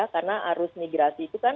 karena arus migrasi itu kan